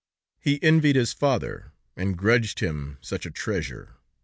He envied his father, and grudged him such a treasure.